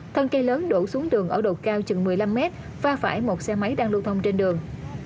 thân cây lớn đổ xuống đường ở độ cao chừng một mươi năm mét pha phải một xe máy đang lưu thông trên đường